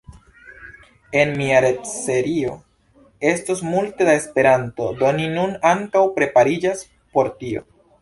En mia retserio estos multe da Esperanto, do mi nun ankaŭ prepariĝas por tio.